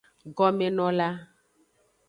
Gomenola.